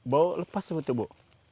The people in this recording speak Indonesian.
baru lepas itu bu